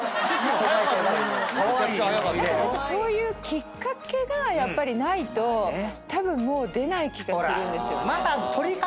そういうきっかけがやっぱりないとたぶんもう出ない気がするんですよね。